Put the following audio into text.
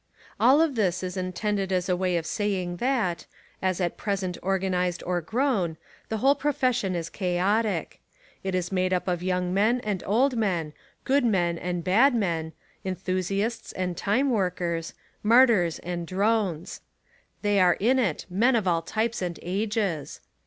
All of this Is intended as a way of saying that, as at present organised or grown, the whole profession Is chaotic. It Is made up of young men and old men, good men and bad men, enthusiasts and time workers, martyrs and drones. They are In It, men of all types and ages.